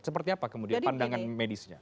seperti apa kemudian pandangan medisnya